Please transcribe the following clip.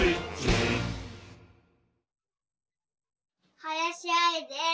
はやしあいです。